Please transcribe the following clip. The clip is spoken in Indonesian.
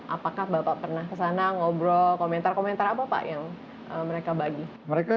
apakah bapak pernah kesana ngobrol komentar komentar apa pak yang mereka bagi mereka